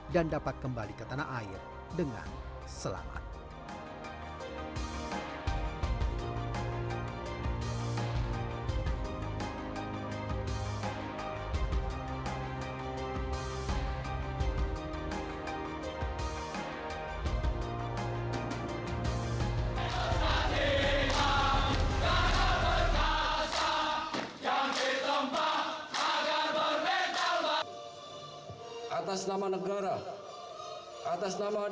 dan dapat kembali ke tanah air dengan selamat